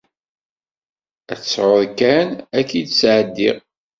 Ad t-sɛuɣ kan, ad k-t-id-sɛeddiɣ.